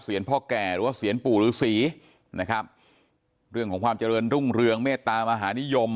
พ่อแก่หรือว่าเซียนปู่ฤษีนะครับเรื่องของความเจริญรุ่งเรืองเมตตามหานิยม